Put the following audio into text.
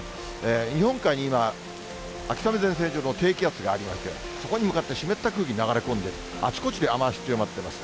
日本海に今、秋雨前線上の低気圧がありまして、そこに向かって湿った空気流れ込んで、あちこちで雨足強まってます。